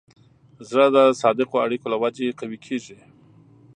زړه د صادقو اړیکو له وجې قوي کېږي.